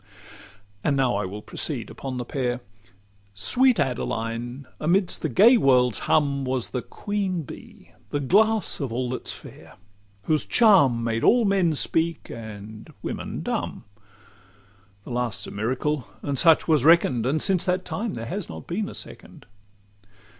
And now I will proceed upon the pair. Sweet Adeline, amidst the gay world's hum, Was the Queen Bee, the glass of all that's fair; Whose charms made all men speak, and women dumb. The last's a miracle, and such was reckon'd, And since that time there has not been a second.